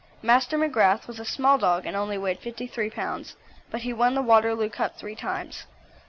Master McGrath was a small dog, and only weighed 53 lbs., but he won the Waterloo Cup three times.